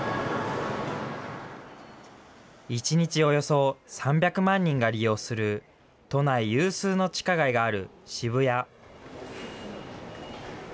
１日およそ３００万人が利用する都内有数の地下街がある渋谷。